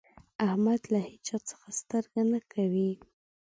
احمد له هيچا څځه سترګه نه کوي.